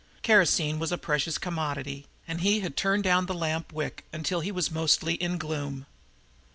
Kerosene was a precious commodity, and he had turned down the lamp wick until he was mostly in gloom.